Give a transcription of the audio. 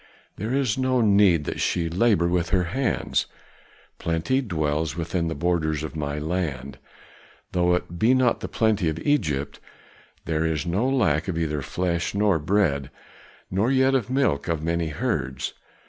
"There is no need that she labor with her hands. Plenty dwells within the borders of my land, though it be not the plenty of Egypt; there is no lack of either flesh nor bread, nor yet of the milk of many herds.